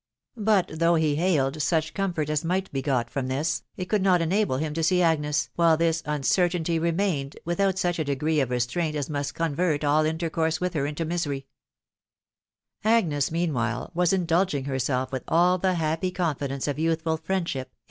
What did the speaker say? •• but though he hailed such comfort a* might be got front tins, it could not enable him to see Agnes, while this, nncaitaiity remained,, without such a degree of restraint a* moat earn* all intercourse with her into misery* Agnes meanwhile was indulging herself with all die happy confidence of youthful friendship in.